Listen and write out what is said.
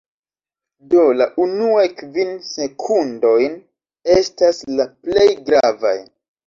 Do la unuaj kvin sekundojn estas la plej gravaj